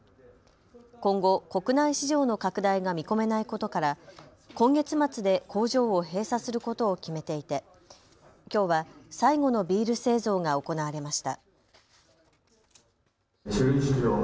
今後、国内市場の拡大が見込めないことから今月末で工場を閉鎖することを決めていてきょうは最後のビール製造が行われました。